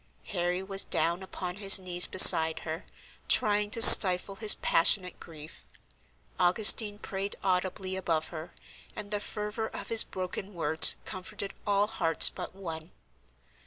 Harry was down upon his knees beside her, trying to stifle his passionate grief. Augustine prayed audibly above her, and the fervor of his broken words comforted all hearts but one.